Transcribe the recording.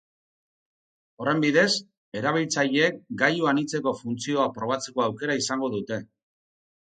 Horren bidez, erabiltzaileek gailu anitzeko funtzioa probatzeko aukera izango dute.